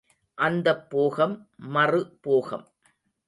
அந்தப் போகம், மறு போகம்.